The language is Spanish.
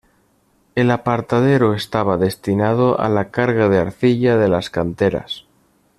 El apartadero estaba destinado a la carga de arcilla de las canteras.